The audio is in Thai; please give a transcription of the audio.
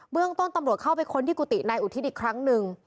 เรื่องต้นตำรวจเข้าไปค้นที่กุฏินายอุทิศอีกครั้งหนึ่ง